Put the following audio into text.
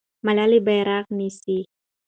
ملالۍ بیرغ نیسي.